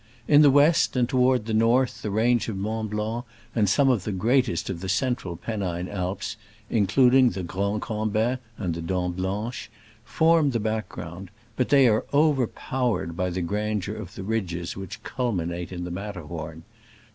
In the west and toward the north the range of Mont Blanc and some of the greatest of the Central Pennine Alps (includ ing the Grand Combin and the Dent Blanche) form the background, but they are overpowered by the grandeur of the ridges which culminate in the Matterhorn.